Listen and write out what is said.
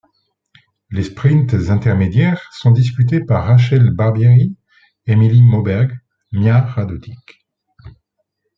Les sprints intermédiaires sont disputés par Rachele Barbieri, Emilie Moberg, Mia Radotic.